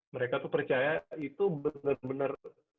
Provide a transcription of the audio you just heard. mereka tuh percaya itu benar benar